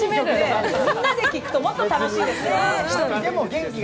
みんなで聴くともっと楽しいですよ。